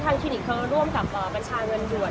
ก็ทางคลินิเคอร์ร่วมกับบรรชาเงินหย่วน